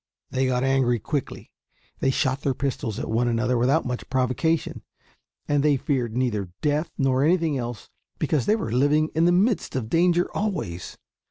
They got angry quickly; they shot their pistols at one another without much provocation, and they feared neither death nor anything else because they were living in the midst of danger always.